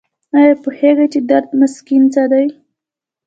ایا پوهیږئ چې درد مسکن څه دي؟